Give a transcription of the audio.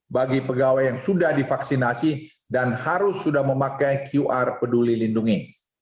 bagi pegawai yang sudah divaksinasi dan harus sudah memakai qr peduli lindungi